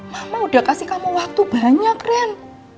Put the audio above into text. mama udah kasih kamu waktu banyak ren